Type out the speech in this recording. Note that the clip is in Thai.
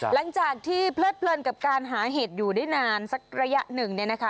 หลังจากที่เพลิดเพลินกับการหาเห็ดอยู่ได้นานสักระยะหนึ่งเนี่ยนะคะ